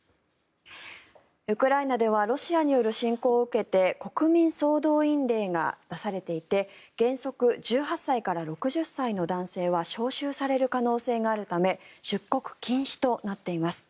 ウクライナではロシアによる侵攻を受けて国民総動員令が出されていて原則１８歳から６０歳の男性は招集される可能性があるため出国禁止となっています。